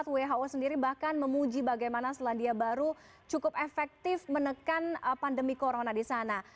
who sendiri bahkan memuji bagaimana selandia baru cukup efektif menekan pandemi corona di sana